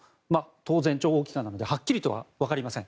当然、諜報機関なのではっきりとはわかりません。